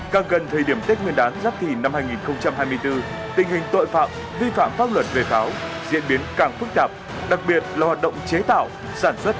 càng gần thời điểm tết nguyên đán giáp thìn năm hai nghìn hai mươi bốn tình hình tội phạm vi phạm pháp luật về pháo diễn biến càng phức tạp đặc biệt là hoạt động chế tạo sản xuất pháo